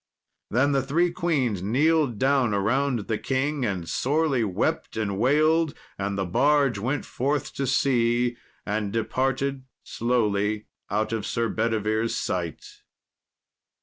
Then the three queens kneeled down around the king and sorely wept and wailed, and the barge went forth to sea, and departed slowly out of Sir Bedivere's sight.